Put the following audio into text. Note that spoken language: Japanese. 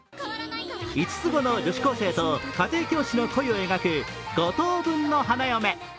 ５つ子の女子高生と家庭教師の恋を描く「五等分の花嫁」。